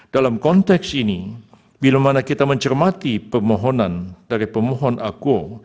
dalam konteks ini bila mana kita mencermati permohonan dari pemohon akuo